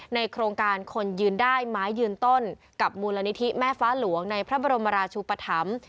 โครงการคนยืนได้ไม้ยืนต้นกับมูลนิธิแม่ฟ้าหลวงในพระบรมราชุปธรรม